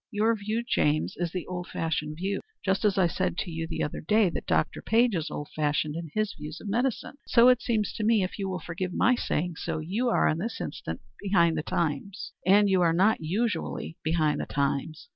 Your view, James, is the old fashioned view. Just as I said to you the other day that Dr. Page is old fashioned in his views of medicine, so it seems to me, if you will forgive my saying so, you are, in this instance, behind the times. And you are not usually behind the times.